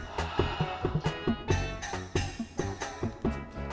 puncapeknya mustang barne sadece omol